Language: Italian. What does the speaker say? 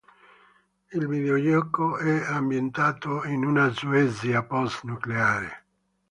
Il videogioco è ambientato in una Svezia post-nucleare.